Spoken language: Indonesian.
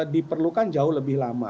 diperlukan jauh lebih lama